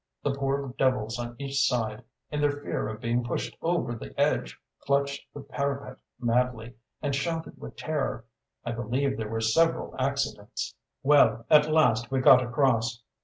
The poor devils on each side, in their fear of being pushed over the edge, clutched the parapet madly, and shouted with terror; I believe there were several accidents. "Well, at last we got across.